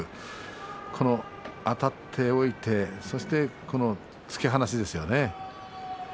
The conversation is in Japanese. あたっておいてこの突き放しですね。